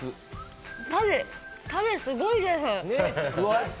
タレすごいです。